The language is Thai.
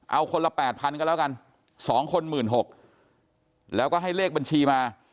เอาคนละแปดพันกันแล้วกันสองคนหมื่นหกแล้วก็ให้เลขบัญชีมา